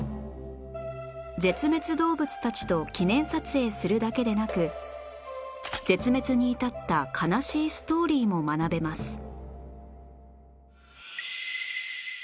絶滅動物たちと記念撮影するだけでなく絶滅に至った悲しいストーリーも学べます